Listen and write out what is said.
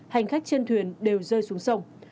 hành khách trên thuyền đều rơi xuống sông